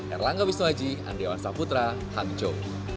erlangga wisnuhaji andri awan saputra hangzhou